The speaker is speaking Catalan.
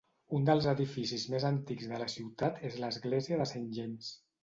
Un dels edificis més antics de la ciutat és l'església de Saint James.